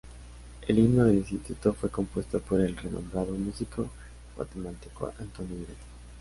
El himno del instituto fue compuesto por el renombrado músico guatemalteco Antonio Vidal.